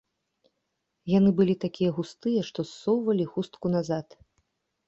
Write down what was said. Яны былі такія густыя, што ссоўвалі хустку назад.